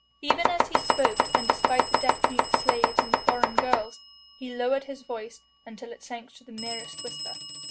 Even as he spoke, and despite the deaf mute slaves and the foreign girls, he lowered his voice until it sank to the merest whisper.